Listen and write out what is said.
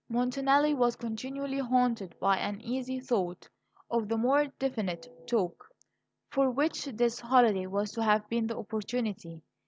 Montanelli was continually haunted by an uneasy thought of the "more definite talk" for which this holiday was to have been the opportunity.